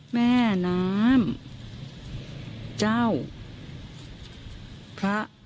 แม่น้ำเจ้าพระ